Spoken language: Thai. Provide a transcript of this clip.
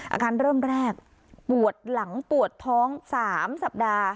อาการเริ่มแรกปวดหลังปวดท้อง๓สัปดาห์